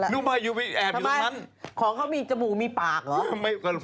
ทำไมของเขามีจมูกมีปากเหรอ